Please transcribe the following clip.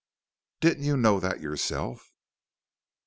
"Didn't you know that yourself."